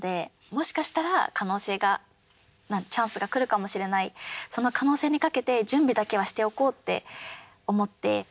もしかしたら可能性がチャンスが来るかもしれないその可能性にかけて準備だけはしておこうって思って。